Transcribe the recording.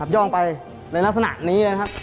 ย่ออลงไปแล้วลักษณะนี้เลยนะครับ